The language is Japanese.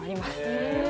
へえ。